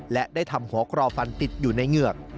และได้ทำหัวครอฟันติดอยู่ในเหงือก